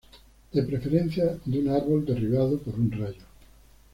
De preferencia de un árbol derribado por un rayo.